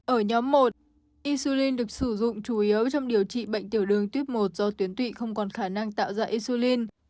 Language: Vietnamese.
ở nhóm một insulin được sử dụng chủ yếu trong điều trị bệnh tiểu đường tuyếp một do tuyến tụy không còn khả năng tạo ra insulin